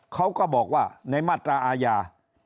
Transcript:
เขาก็บอกว่าในมาตราอาญา